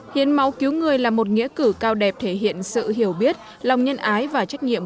hiến máu cứu người là một nghĩa cử cao đẹp thể hiện sự hiểu biết lòng nhân ái và trách nhiệm